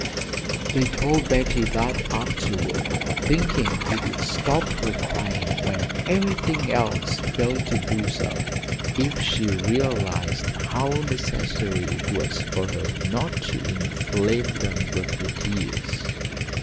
They told Betty that afterward, thinking it would stop her crying, when everything else failed to do so, if she realised how necessary it was for her not to inflame them with her tears.